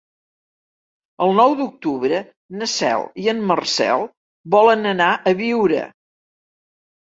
El nou d'octubre na Cel i en Marcel volen anar a Biure.